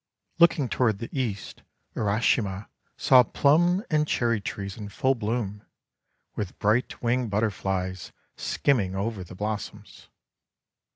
Looking toward the East, Urashima saw Plum and Cherry trees in full bloom, with bright winged Butterflies skimming over the blossoms.